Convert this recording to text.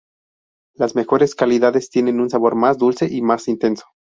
Las mejores calidades tienen un sabor más dulce y más intenso.